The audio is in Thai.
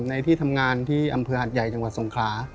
ที่ทำงานที่อำเภอหัดใหญ่จังหวัดสงขลา